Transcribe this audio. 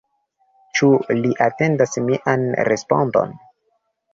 Ĉu li atendas mian respondon?